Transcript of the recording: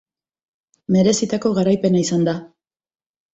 Merezitako garaipena izan da.